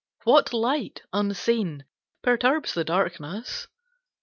What light unseen perturbs the darkness?